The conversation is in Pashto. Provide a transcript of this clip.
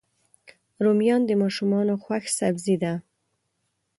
رومیان د ماشومانو خوښ سبزي ده